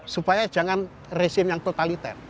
supaya jangan resim yang totaliter